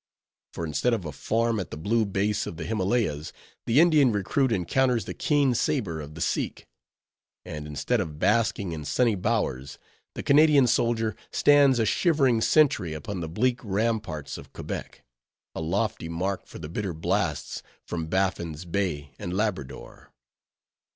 For instead of a farm at the blue base of the Himalayas, the Indian recruit encounters the keen saber of the Sikh; and instead of basking in sunny bowers, the Canadian soldier stands a shivering sentry upon the bleak ramparts of Quebec, a lofty mark for the bitter blasts from Baffin's Bay and Labrador.